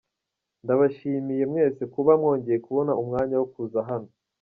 Ndabashimiye mwese kuba mwongeye kubona umwanya wo kuza hano.